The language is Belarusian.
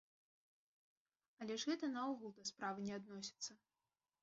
Але ж гэта наогул да справы не адносіцца.